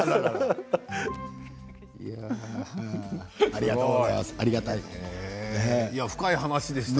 ありがとうございます。